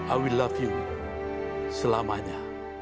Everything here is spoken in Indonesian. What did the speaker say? i will love you selamanya